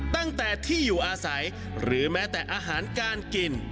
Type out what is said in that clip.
ตั้งแต่ที่อยู่อาศัยหรือแม้แต่อาหารการกิน